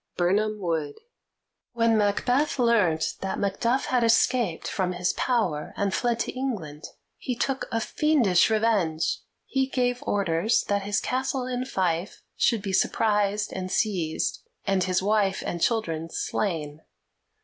Birnam Wood When Macbeth learnt that Macduff had escaped from his power and fled to England, he took a fiendish revenge: he gave orders that his castle in Fife should be surprised and seized, and his wife and children slain.